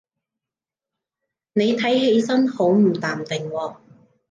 你睇起身好唔淡定喎